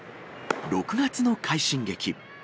６月の快進撃。